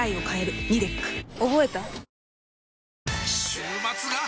週末が！！